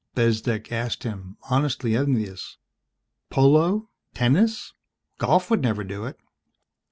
Bezdek asked him, honestly envious. "Polo, tennis? Golf would never do it."